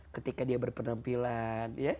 ketika dia berpenampilan